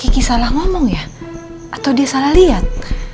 dia ngomong ya atau dia salah liat